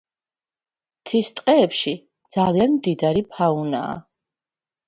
მთის ტყეებშიძალიან მდიდარი ფაუნაა.